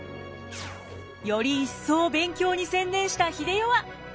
より一層勉強に専念した英世は。